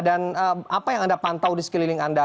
dan apa yang anda pantau di sekeliling anda